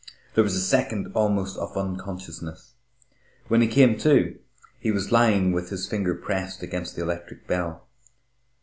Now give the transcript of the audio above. There was a second almost of unconsciousness.... When he came to, he was lying with his finger pressed against the electric bell.